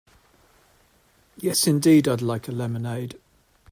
Yes indeed, I'd like a lemonade.